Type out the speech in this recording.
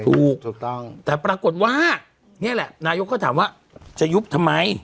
ถูกต้องแต่ปรากฏว่านี่แหละนายกก็ถามว่าจะยุบทำไม